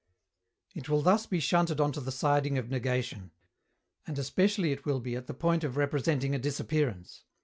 It will thus be shunted on to the siding of negation. And especially it will be at the point of representing a disappearance.